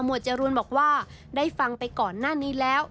จรูนบอกว่าได้ฟังไปก่อนหน้านี้แล้ว